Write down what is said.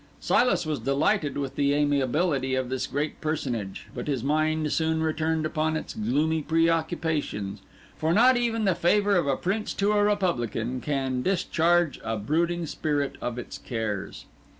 Silas was delighted with the amiability of this great personage; but his mind soon returned upon its gloomy preoccupations; for not even the favour of a Prince to a Republican can discharge a brooding spirit of its cares.